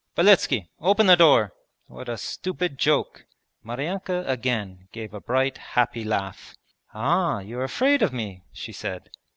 'Beletski! Open the door! What a stupid joke!' Maryanka again gave a bright happy laugh. 'Ah, you're afraid of me?' she said.